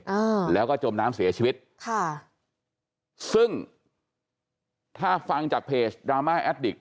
อ่าแล้วก็จมน้ำเสียชีวิตค่ะซึ่งถ้าฟังจากเพจดราม่าแอดดิก